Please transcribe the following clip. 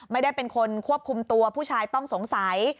ไม่ได้เป็นคนควบคุมตัวผู้ชายต้องสงสัย